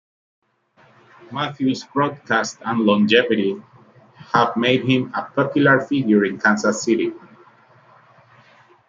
Matthews' broadcasts and longevity have made him a popular figure in Kansas City.